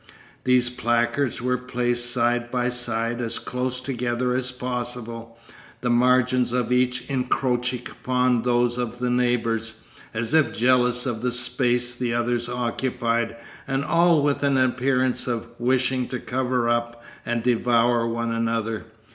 These placards were placed side by side as close together as possible, the margins of each encroaching upon those of its neighbours, as if jealous of the space the others occupied and all with an appearance of wishing to cover up and to devour one another.